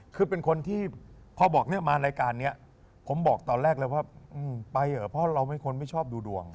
คือเป็นคนพอมาก็บอกแต่ว่าไปเพราะเราไม่ชอบดูดวง